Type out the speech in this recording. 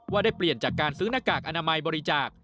ได้เปลี่ยนจากการซื้อหน้ากากอนามัยบริจาค